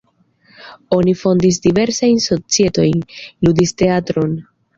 Oni fondis diversajn societojn, ludis teatron.